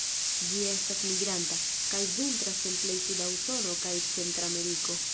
Ĝi estas migranta, kaj vintras en plej suda Usono kaj Centrameriko.